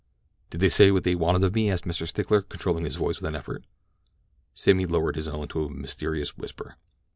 "Did they say what they wanted of me?" asked Mr. Stickler, controlling his voice with an effort. Sammy lowered his own to a mysterious whisper.